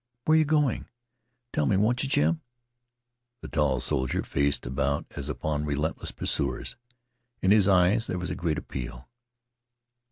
Where you going? Tell me, won't you, Jim?" The tall soldier faced about as upon relentless pursuers. In his eyes there was a great appeal.